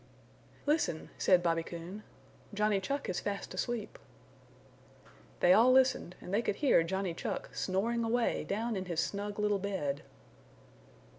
"Listen," said Bobby Coon. "Johnny Chuck is fast asleep." They all listened and they could hear Johnny Chuck snoring away down in his snug little bed.